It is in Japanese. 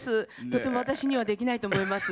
とても私にはできないと思います。